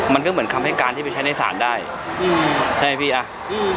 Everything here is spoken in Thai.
มันก็เหมือนคำให้การที่ไปใช้ในศาลได้อืมใช่ไหมพี่อ่ะอืม